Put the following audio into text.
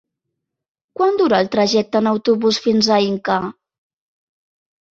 Quant dura el trajecte en autobús fins a Inca?